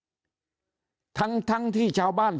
ยิ่งอาจจะมีคนเกณฑ์ไปลงเลือกตั้งล่วงหน้ากันเยอะไปหมดแบบนี้